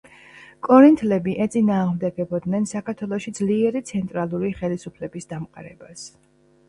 კორინთლები ეწინააღმდეგებოდნენ საქართველოში ძლიერი ცენტრალური ხელისუფლების დამყარებას.